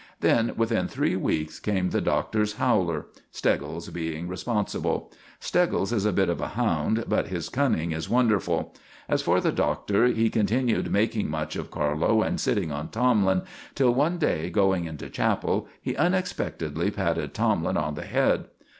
Then, within three weeks, came the Doctor's howler, Steggles being responsible. Steggles is a bit of a hound, but his cunning is wonderful. As for the Doctor, he continued making much of Carlo and sitting on Tomlin, till one day, going into chapel, he unexpectedly patted Tomlin on the head.